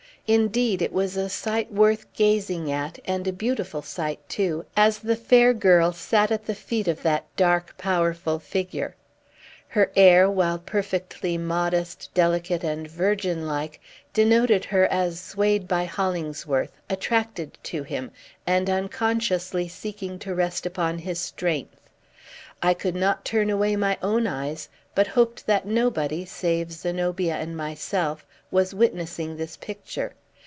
Indeed, it was a sight worth gazing at, and a beautiful sight, too, as the fair girl sat at the feet of that dark, powerful figure. Her air, while perfectly modest, delicate, and virgin like, denoted her as swayed by Hollingsworth, attracted to him, and unconsciously seeking to rest upon his strength. I could not turn away my own eyes, but hoped that nobody, save Zenobia and myself, was witnessing this picture.